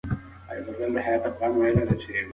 د ټولنې د ټولو افرادو د تجربو ارزونه وکړئ.